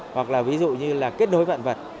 hoặc là ví dụ như là kết nối vạn vật